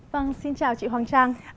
vâng xin chào chị hoàng trang